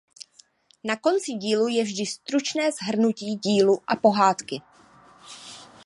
Na konci dílu je vždy stručné shrnutí dílu a pohádky.